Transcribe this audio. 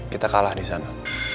kita kalah di sana